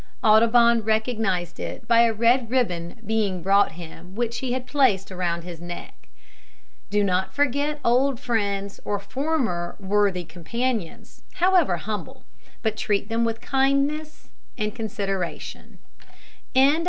Audubon recognised it by a red ribbon being brought him which he had placed round its neck. Do not forget old friends or former worthy companions, however humble, but treat them with kindness and consideration.